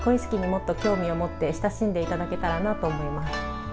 もっと興味を持って親しんでいただけたらなと思います。